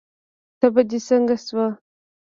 تبه دې څنګه شوه؟